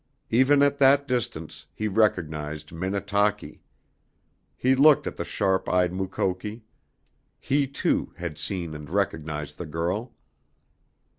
Even at that distance he recognized Minnetaki! He looked at the sharp eyed Mukoki. He, too, had seen and recognized the girl.